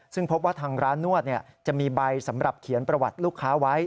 ซึ่งพบว่าทางร้านนวดจะมีใบสำหรับเขียนประวัติลูกค้าไว้